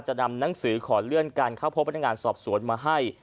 จะนำหนังสือขอเลื่อนการเข้าพบพนักงานสอบสวนมาให้